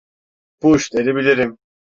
Bu işleri bilirim.